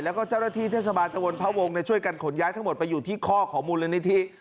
แล้วก็เจ้าหน้าที่เทศบาลตะวนพระวงศ์ช่วยกันขนย้ายทั้งหมดไปอยู่ที่ข้อของมูลนิธิ